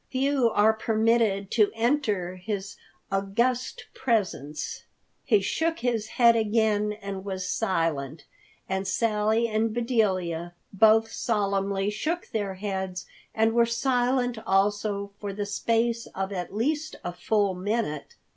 "Few are permitted to enter his august presence." He shook his head again, and was silent. And Sally and Bedelia both solemnly shook their heads, and were silent also for the space of at least a full minute.